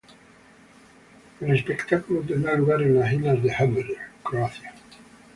El espectáculo tendrá lugar en la isla de Hvar, Croacia.